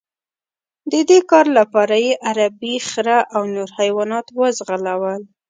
د دې کار لپاره یې عربي خره او نور حیوانات وځغلول.